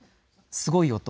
すごい音。